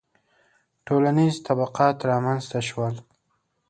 • ټولنیز طبقات رامنځته شول